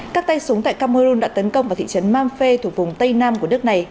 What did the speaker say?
các tay súng tại cameroon đã tấn công vào thị trấn mamfe thuộc vùng tây nam của nước này